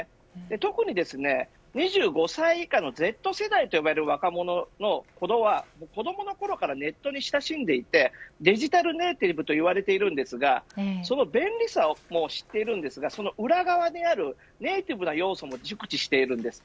特に、２５歳以下のＺ世代と呼ばれる若者は子どものころからネットに親しんでいてデジタルネイティブと言われているんですがその便利さを知っていますがその裏側であるネイティブな要素も熟知しています。